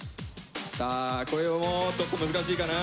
さあこれもちょっと難しいかな。